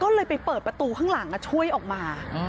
ก็เลยไปเปิดประตูข้างหลังช่วยออกมา